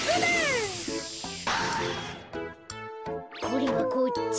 これはこっち。